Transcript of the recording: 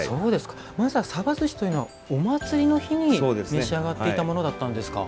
さばずしというのはお祭りの日に召し上がっていたものだったんですか。